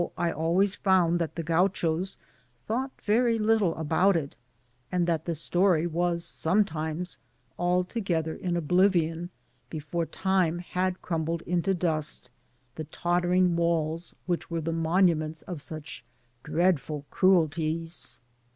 I always found that the Gauchos thought very little about it ; and that the story was sometimes altogether in oblivion, befcxre time had crumbled into dust the tottering mud walls which were the monuments af such dreadful cruelties.